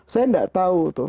saya tidak tahu